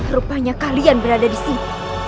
rupanya kalian berada disini